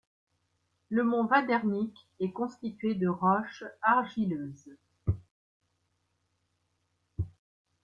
Le mont Vadernik est constitué de roches argileuses.